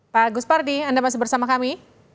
pak agus pardi anda masih bersama kami